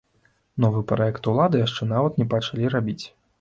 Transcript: Новы праект улады яшчэ нават не пачалі рабіць.